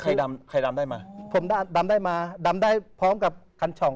ดำไข่ดำได้มาผมได้ดำได้มาดำได้พร้อมกับคันช่อง